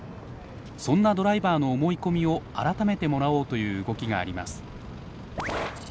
そんなドライバーの思い込みを改めてもらおうという動きがあります。